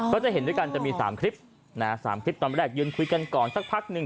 ก็จะเห็นด้วยกันจะมี๓คลิปนะ๓คลิปตอนแรกยืนคุยกันก่อนสักพักหนึ่ง